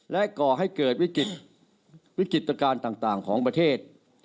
และก่อให้เกิดวิกฤตวิกฤตการณ์ต่างของประเทศ